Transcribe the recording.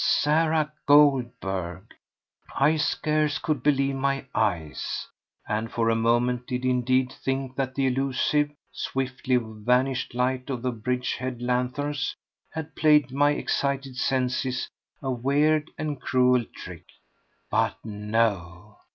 Sarah Goldberg! I scarce could believe my eyes, and for a moment did indeed think that the elusive, swiftly vanished light of the bridge head lanthorns had played my excited senses a weird and cruel trick. But no!